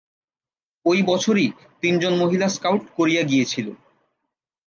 ঐ বছরই, তিনজন মহিলা স্কাউট কোরিয়া গিয়েছিল।